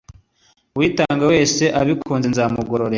Uwitanga wese abikunze nzamugororera